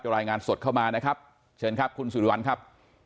รายงานสดเข้ามานะครับเชิญครับคุณสุริวัลครับ